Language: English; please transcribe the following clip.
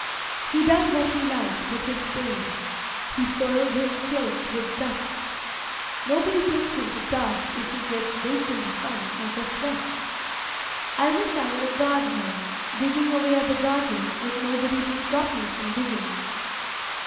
He does what he likes with his spade, he soils his clothes with dust, nobody takes him to task if he gets baked in the sun or gets wet. I wish I were a gardener digging away at the garden with nobody to stop me from digging.